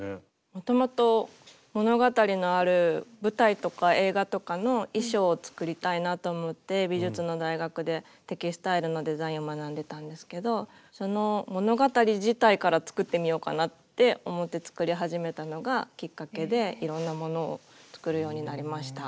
もともと物語のある舞台とか映画とかの衣装を作りたいなと思って美術の大学でテキスタイルのデザインを学んでたんですけどその物語自体から作ってみようかなって思って作り始めたのがきっかけでいろんなものを作るようになりました。